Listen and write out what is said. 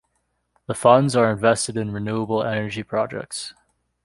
The funds are invested in renewable energy projects.